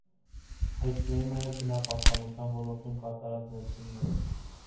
Հայտնի է նաև բնապահպանության ոլորտում կատարած ներդրումներով։